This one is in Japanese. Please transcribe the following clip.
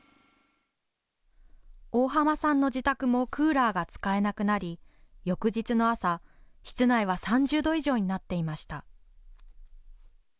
大浜さんの自宅もクーラーが使えなくなり翌日の朝、室内は３０度以上になっていました。